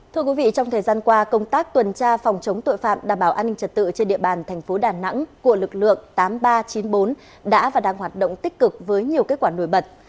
thưa quý vị trong thời gian qua công tác tuần tra phòng chống tội phạm đảm bảo an ninh trật tự trên địa bàn thành phố đà nẵng của lực lượng tám nghìn ba trăm chín mươi bốn đã và đang hoạt động tích cực với nhiều kết quả nổi bật